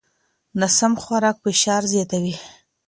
ناسم خوراک فشار زیاتوي.